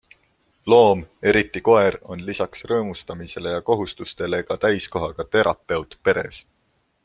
Loom, eriti koer, on lisaks rõõmustamisele ja kohustustele ka täiskohaga terapeut peres.